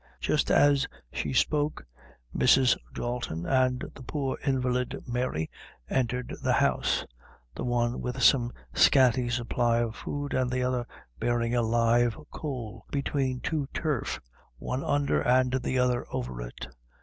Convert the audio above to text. Just as she spoke, Mrs. Dalton and the poor invalid, Mary, entered the house: the one with some scanty supply of food, and the other bearing a live coal between two turf, one under and the other over it.